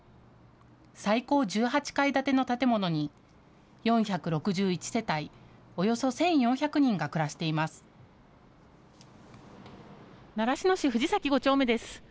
最高１８階建ての建物に４６１世帯、およそ１４００人が暮らしています。